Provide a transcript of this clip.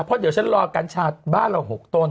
เพราะเดี๋ยวฉันรอกัญชาบ้านเรา๖ต้น